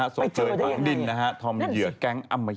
ศพเผยฝังดินธอมเยือกแก๊งอำมะหิต